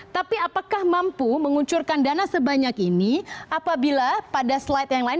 tapi apakah mampu menguncurkan dana sebanyak ini apabila pada slide yang lain